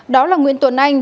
đó là nguyễn tuấn anh